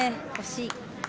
惜しい。